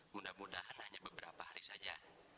mudah mudahan hanya beberapa hari saja